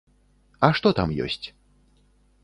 А што там ёсць?